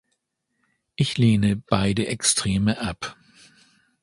Ich lehne beide Extreme ab.